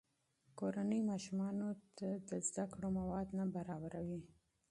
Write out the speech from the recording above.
کورنۍ ماشومانو ته تعلیمي مواد نه برابروي.